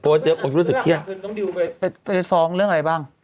โปสต์เยอะพี่รู้สึกเพียงนองดิวไปไปฟ้องเรื่องอะไรบ้าง